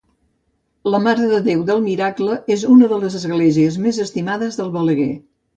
La Mare de Déu del Miracle és una de les esglésies més estimades del Balaguer.